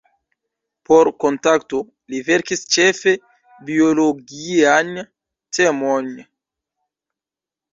Por "Kontakto" li verkis ĉefe biologiajn temojn.